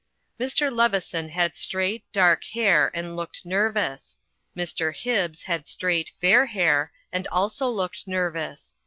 Mr. Leveson had straight, dark hair, and looked nervous. Mr. Hibbs had straight, fair hair, a»d also looked nervous.